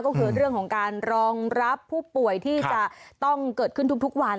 ก็คือเรื่องของการรองรับผู้ป่วยที่จะต้องเกิดขึ้นทุกวัน